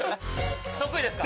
得意ですか？